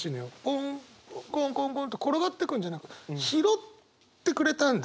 ポンコンコンコンと転がってくんじゃなくて拾ってくれたんだ。